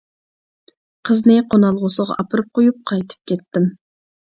قىزنى قونالغۇسىغا ئاپىرىپ قويۇپ قايتىپ كەتتىم.